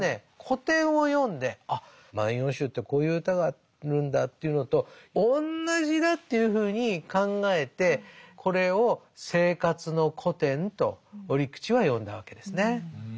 古典を読んであっ「万葉集」ってこういう歌があるんだというのと同じだというふうに考えてこれを「生活の古典」と折口は呼んだわけですね。